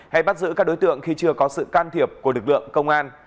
hay bắt giữ các đối tượng khi chưa có sự can thiệp của lực lượng công an